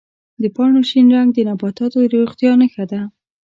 د پاڼو شین رنګ د نباتاتو د روغتیا نښه ده.